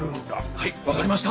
はいわかりました！